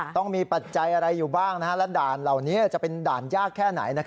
ต้องมีปัจจัยอะไรอยู่บ้างและด่านเหล่านี้จะเป็นด่านยากแค่ไหน